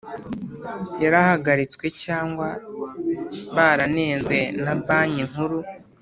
yarahagaritswe cyangwa baranenzwe na Banki Nkuru